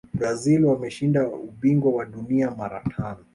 brazil wameshinda ubingwa wa dunia mara tano